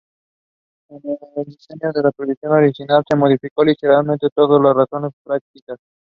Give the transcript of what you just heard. El diseño del prototipo original se modificó ligeramente sobre todo por razones prácticas.